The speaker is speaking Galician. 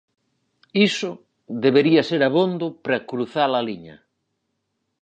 Iso debería ser abondo para cruzar a liña.